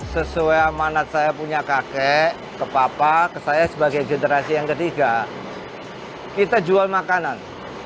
sesuai amanat saya punya kakek ke papa ke saya sebagai generasi yang ketiga kita jual makanan